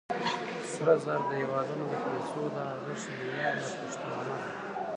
سره زر د هېوادونو د پیسو د ارزښت معیار یا پشتوانه ده.